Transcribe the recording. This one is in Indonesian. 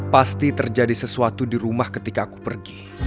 pasti terjadi sesuatu di rumah ketika aku pergi